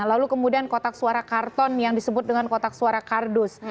lalu kemudian kotak suara karton yang disebut dengan kotak suara kardus